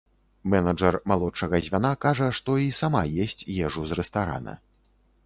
Менеджар малодшага звяна кажа, што і сама есць ежу з рэстарана.